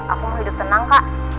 aku mau hidup tenang kak